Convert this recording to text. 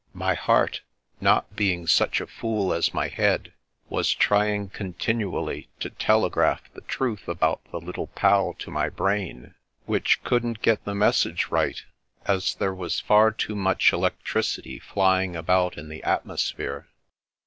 " My heart, not being such a fool as my head, was trying continually to telegraph the truth about the Little Pal to my brain, which couldn't get the message right, as there was far too much electricity flying about in the atmosphere.